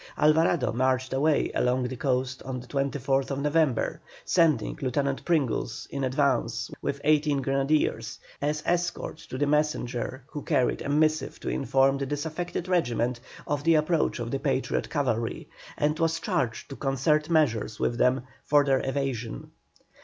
Alvarado marched away along the coast on the 24th November, sending Lieutenant Pringles in advance with eighteen grenadiers, as escort to a messenger who carried a missive to inform the disaffected regiment of the approach of the Patriot cavalry, and was charged to concert measures with them for their evasion.